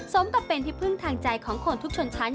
สมกับเป็นที่พึ่งทางใจของคนทุกชนชั้น